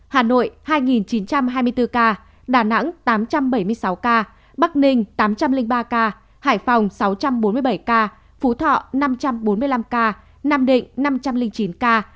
hà nội hai chín trăm hai mươi bốn ca đà nẵng tám trăm bảy mươi sáu ca bắc ninh tám trăm linh ba ca hải phòng sáu trăm bốn mươi bảy ca phú thọ năm trăm bốn mươi năm ca nam định năm trăm linh chín ca